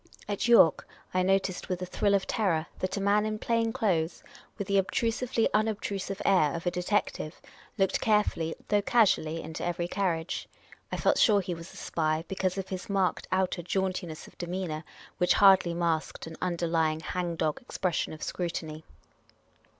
At York, I noticed with a thrill of terror that a man in plain clothes, with the obtrusively unobtrusive air of a de tective, looked carefully though casually into every carriage. I felt sure he was a spy, because of his marked outer jaunti ness of demeanour, which hardly masked an underlying hang dog expression of scrutiny.